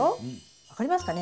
分かりますかね？